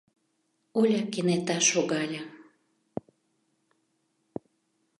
— Оля кенета шогале.